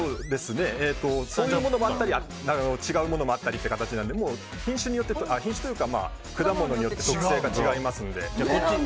そういうものもあったり違うものもあったりという形なので果物によって特性が違いますので。